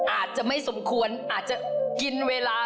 อาจจะไม่สมควรอาจจะกินเวลา